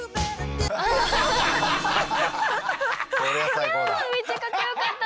いやめっちゃかっこよかったのに。